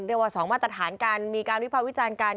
เรียกว่า๒มาตรฐานกันมีการวิภาควิจารณ์กัน